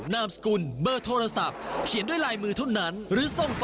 ในการลงจืน